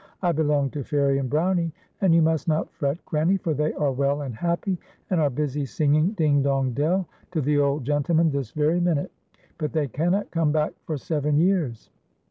T belong to Fairie and Brownie, and \'ou must not fret, Granny, for they are well and happy, and are busy singing 'Ding, dong, dell' to the old gentleman this very minute, but they cannot come back for seven years."